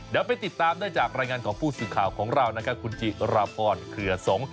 เดี๋ยวไปติดตามได้จากรายงานของผู้สื่อข่าวของเรานะครับคุณจิราพรเครือสงศ์